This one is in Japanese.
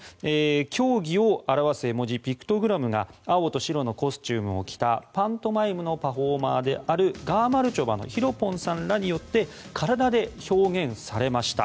競技を表す絵文字ピクトグラムが青と白のコスチュームを着たパントマイムのパフォーマーであるがまるちょばのお二人によって体で表現されました